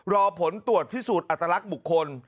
รอผลตรวจพิสูจน์อัตลักษณ์บุคคล